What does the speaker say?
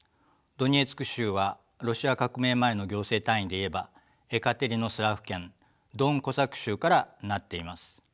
ドネツク州はロシア革命前の行政単位で言えばエカテリノスラフ県ドン・コサック州から成っています。